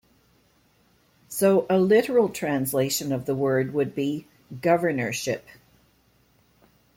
So a literal translation of the word would be "governorship".